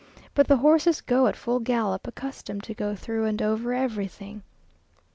But the horses go at full gallop, accustomed to go through and over everything.